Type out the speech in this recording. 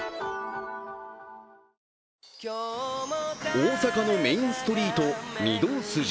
大阪のメインストリート、御堂筋。